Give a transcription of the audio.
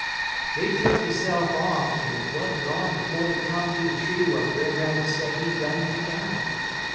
Dey took deyse'f off en 't wa'n't long 'fo' dey came ter de tree w'at Brer Rabbit say he done pick out.